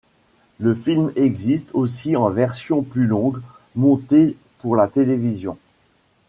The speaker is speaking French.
Le film existe aussi en version plus longue, montée pour la télévision.